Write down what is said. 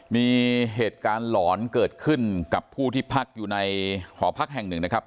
มีเหตุการณ์หลอนเกิดขึ้นกับผู้ที่พักอยู่ในหอพักแห่งหนึ่งนะครับ